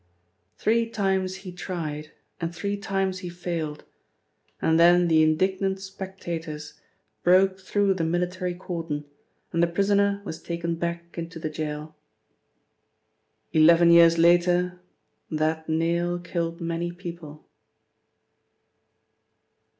Three times he tried and three times he failed, and then the indignant spectators broke through the military cordon, and the prisoner was taken back into the gaol. Eleven years later that nail killed many people.